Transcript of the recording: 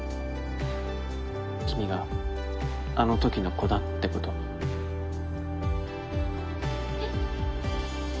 君があのときの子だってことをえっ？